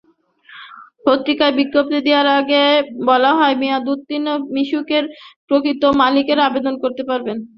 পত্রিকায় বিজ্ঞপ্তি দিয়ে বলা হয়, মেয়াদোত্তীর্ণ মিশুকের প্রকৃত মালিকেরা আবেদন করতে পারবেন।